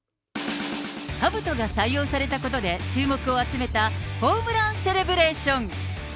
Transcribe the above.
かぶとが採用されたことで、注目を集めたホームランセレブレーション。